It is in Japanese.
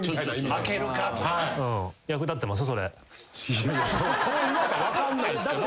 いやいやそう言われたら分かんないっすけど。